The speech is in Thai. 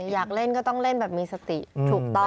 อยากเล่นก็ต้องเล่นแบบมีสติถูกต้อง